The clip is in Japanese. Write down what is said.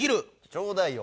ちょうだいよ。